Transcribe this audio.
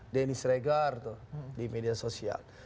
dennis regar tuh di media sosial